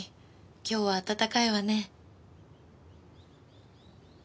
今日は暖かいわね。